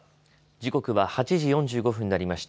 時刻は８時４５分になりました。